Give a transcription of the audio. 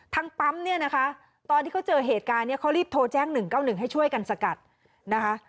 ปั๊มเนี่ยนะคะตอนที่เขาเจอเหตุการณ์เนี่ยเขารีบโทรแจ้ง๑๙๑ให้ช่วยกันสกัดนะคะ